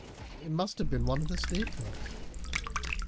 It must have been one of the slave girls."